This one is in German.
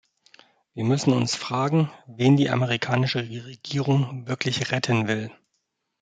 Wir müssen uns fragen, wen die amerikanische Regierung wirklich retten will.